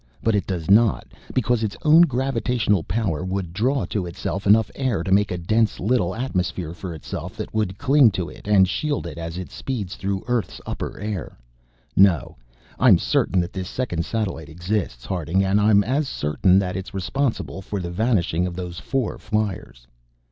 But it does not, because its own gravitational power would draw to itself enough air to make a dense little atmosphere for itself that would cling to it and shield it as it speeds through Earth's upper air. No, I'm certain that this second satellite exists, Harding, and I'm as certain that it's responsible for the vanishing of those four fliers."